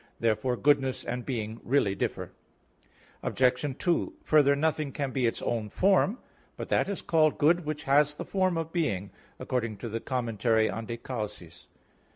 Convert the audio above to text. Therefore goodness and being really differ. Obj. 2: Further, nothing can be its own form. "But that is called good which has the form of being," according to the commentary on _De Causis.